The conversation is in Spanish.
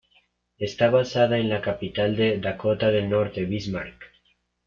Está basada en la Capital de Dakota del Norte, Bismarck.